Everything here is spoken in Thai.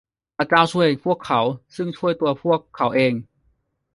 พระเจ้าช่วยพวกเขา ซึ่งช่วยตัวพวกเขาเอง